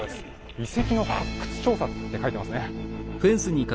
「遺跡の発掘調査」って書いてますね。